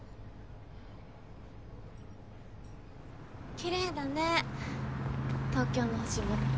きれいだね東京の星も。